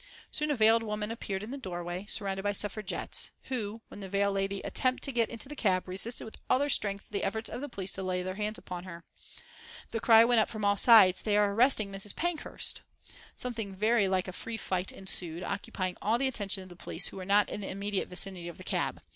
Soon a veiled woman appeared in the doorway, surrounded by Suffragettes, who, when the veiled lady attempted to get into the cab, resisted with all their strength the efforts of the police to lay hands upon her. The cry went up from all sides: "They are arresting Mrs. Pankhurst!" Something very like a free fight ensued, occupying all the attention of the police who were not in the immediate vicinity of the cab.